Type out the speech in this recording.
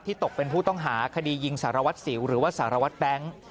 ตกเป็นผู้ต้องหาคดียิงสารวัตรสิวหรือว่าสารวัตรแบงค์